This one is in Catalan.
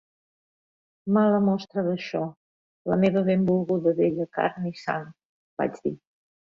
"Mala mostra d'això, la meva benvolguda vella carn i sang", vaig dir.